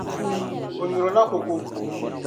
O nyurila koko.